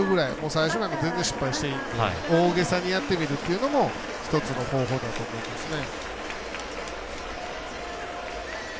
最初なんか全然、失敗していいんで大げさにやってみるというのも１つの方法だと思いますね。